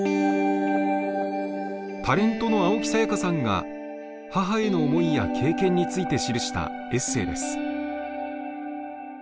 タレントの青木さやかさんが母への思いや経験について記したエッセーです。